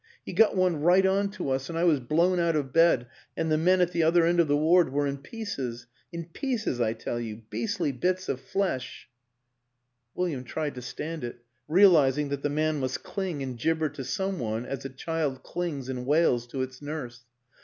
He got one right on to us, and I was blown out of bed, and the men at the other end of the ward were in pieces. In pieces, I tell you beastly bits of flesh " William tried to stand it realizing that the man must cling and gibber to some one as a child clings and wails to its nurse.